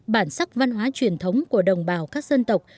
bản sắc văn hóa truyền thống của đồng bào các dân tộc